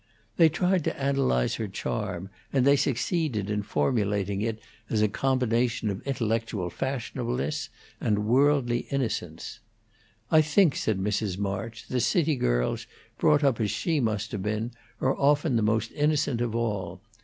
They tried to analyze her charm, and they succeeded in formulating it as a combination of intellectual fashionableness and worldly innocence. "I think," said Mrs. March, "that city girls, brought up as she must have been, are often the most innocent of all.